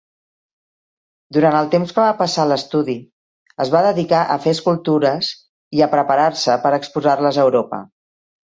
Durant el temps que va passar a l'estudi, es va dedicar a fer escultures i a preparar-se per exposar-les a Europa.